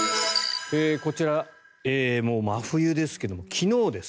こちら、もう真冬ですけれど昨日です。